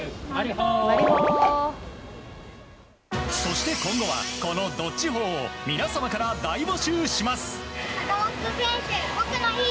そして今後はこのどっちほーを皆様から大募集します。